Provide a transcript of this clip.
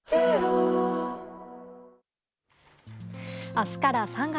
明日から３月。